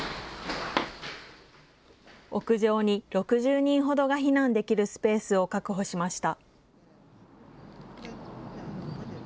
屋上に６０人ほどが避難できるスペースを確保しました。